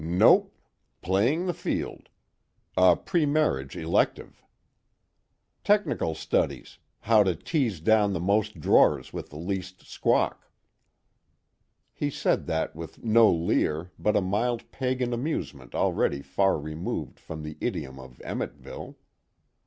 "Nope playing the field. A premarriage elective. Technical studies, how to tease down the most drawers with the least squawk." He said that with no leer but a mild pagan amusement already far removed from the idiom of Emmetville.